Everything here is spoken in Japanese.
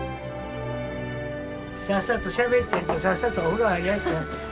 さっさとしゃべってんとさっさとお風呂入りやす。